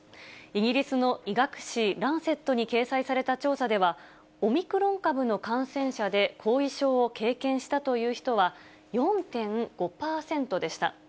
イギリスの医学誌、ランセットに掲載された調査では、オミクロン株の感染者で後遺症を経験したという人は４．５％でした。